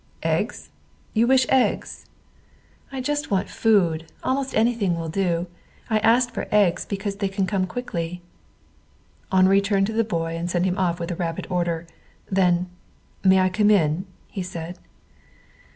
"Eggs! You wish eggs?" "I just want food. Almost anything will do. I asked for eggs because they can come quickly." Henri turned to the boy and sent him off with a rapid order. Then: "May I come in?" he said.